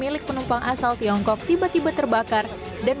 sebelumnya penumpang terlihat menjauhi sumber api dan menjauhi barang barangnya